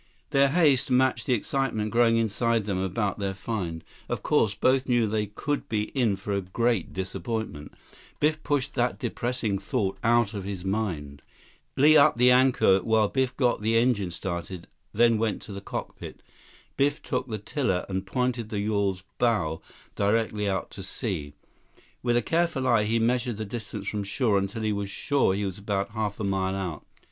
Their haste matched the excitement growing inside them about their find. Of course, both knew they could be in for a great disappointment. Biff pushed that depressing thought out of his mind. 135 Li upped anchor while Biff got the engine started, then went to the cockpit. Biff took the tiller and pointed the yawl's bow directly out to sea. With a careful eye, he measured the distance from shore until he was sure he was about half a mile out.